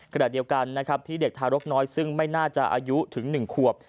ขณะเดียวกันนะครับที่เด็กทารกน้อยซึ่งไม่น่าจะอายุถึง๑ขวบ